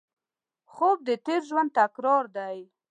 خوب د تېر ژوند تکرار دی